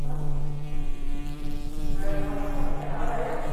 Bertan irudikatu zuten zer ulertzen dugun zaintza publiko eta komunitarioak.